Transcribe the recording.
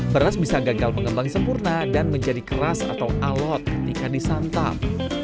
beras bisa gagal mengembang sempurna dan menjadi keras atau alot ketika disantap